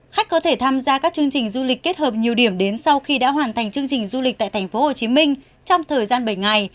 khách có thể tham gia các chương trình du lịch kết hợp nhiều điểm đến sau khi đã hoàn thành chương trình du lịch tại tp hcm trong thời gian bảy ngày